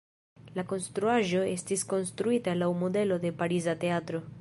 La konstruaĵo estis konstruita laŭ modelo de pariza teatro.